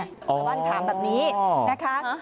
ชาวบ้านถามแบบนี้นะคะ